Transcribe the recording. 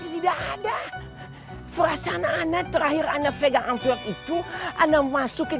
saya butuh tukang kacang mulet